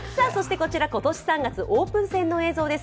こちら、今年３月、オープン戦の映像です。